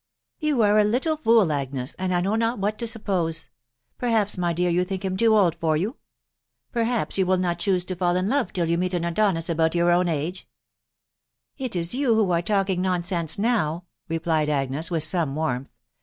"" You are a HttLe foot, Agnes* and I. know not what to suppose. Perhaps, my dear, yom think him toe old for you ? Perhaps you. wifi met choose to fall in leie till you. meet an Adonis about year own age r "" It is yon who are talking nonsense now," replied Agnes, with some warmth.